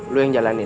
lo yang jalanin